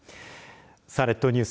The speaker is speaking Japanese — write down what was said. さあ列島ニュース